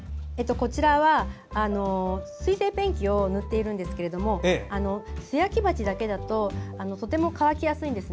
こちらは水性ペンキを塗っているんですが素焼き鉢だけだととても乾きやすいんです。